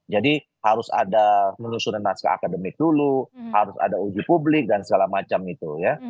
jadi harus ada menusunan nasi akademik dulu harus ada uji publik dan segala macam itu ya